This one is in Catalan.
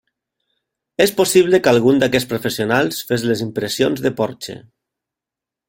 És possible que algun d'aquests professionals fes les impressions de Porxe.